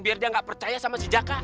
biar dia nggak percaya sama si jaka